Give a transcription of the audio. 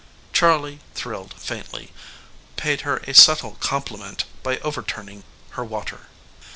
Charley thrilled faintly paid her a subtle compliment by overturning her water.